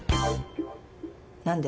何で？